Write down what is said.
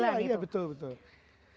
ada yang berkata